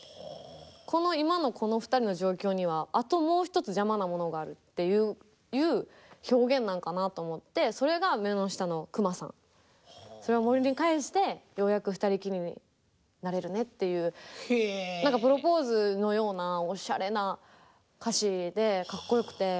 この今のこの二人の状況にはあともう一つ邪魔なものがあるっていう表現なんかなと思ってそれが目の下のクマさんそれを森に帰してようやく二人きりになれるねっていう何かプロポーズのようなおしゃれな歌詞でかっこよくて。